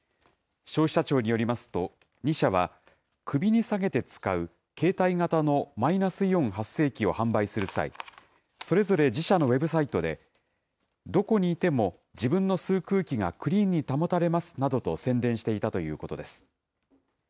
消費者庁によりますと、２社は、首にさげて使う携帯型のマイナスイオン発生器を販売する際、それぞれ自社のウェブサイトで、どこにいても自分の吸う空気がクリーンに保たれますなどと宣伝していたということです。